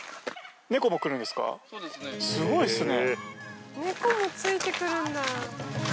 すごいですね。